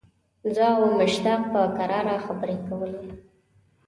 زه او مشتاق په کراره خبرې کولې.